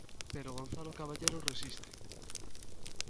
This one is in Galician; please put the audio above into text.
Pero Gonzalo Caballero resiste.